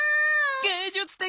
芸術的。